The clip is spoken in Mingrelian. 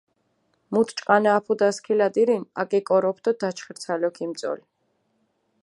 მუთ ჭყანა აფუდჷ ასქილადირინ, აკიკოროფჷ დო დაჩხირცალო ქიმწოლჷ.